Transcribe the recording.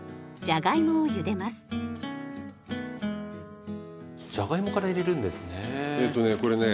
じゃがいもから入れるんですね。